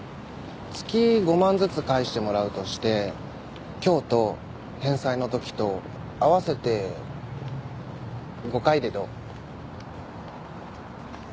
月５万ずつ返してもらうとして今日と返済の時と合わせて５回でどう？